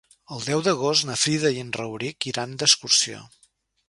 El deu d'agost na Frida i en Rauric iran d'excursió.